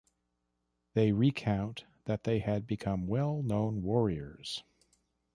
They recount that they had become well known warriors.